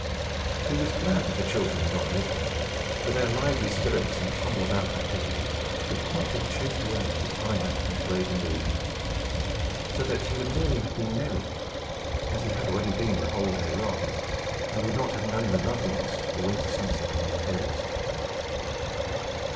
He was glad that the children were not with him; for their lively spirits and tumble about activity would quite have chased away his higher and graver mood, so that he would merely have been merry (as he had already been, the whole day long), and would not have known the loveliness of the winter sunset among the hills.